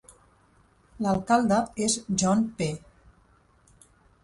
L'alcalde és John Ph.